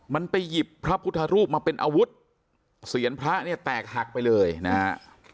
มันไปหยิบพระพุทธรูปมาเป็นอาวุธเสียนพระเนี่ยแตกหักไปเลยนะฮะ